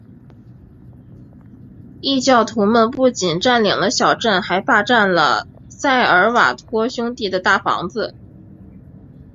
异教徒们不仅占领了小镇还霸占了塞尔瓦托兄弟的大房子。